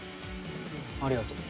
ありがとう。